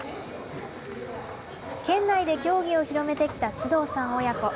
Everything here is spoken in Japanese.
県内で競技を広めてきた須藤さん親子。